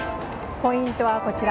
ポイントはこちら。